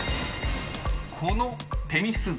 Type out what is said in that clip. ［このテミス像